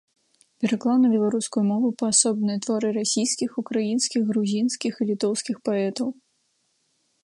Пераклаў на беларускую мову паасобныя творы расійскіх, украінскіх, грузінскіх і літоўскіх паэтаў.